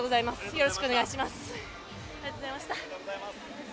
よろしくお願いします。